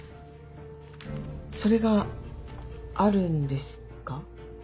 それがあるんですか？